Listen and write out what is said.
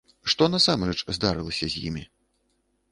Што насамрэч здарылася з імі?